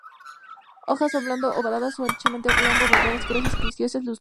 Hojas oblongo-obovadas a anchamente oblongo-ovadas, gruesas, coriáceas, lustrosas.